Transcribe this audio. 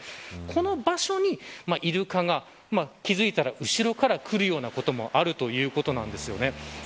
この場所にイルカが、気付いたら後ろから来るということもあるようなんです。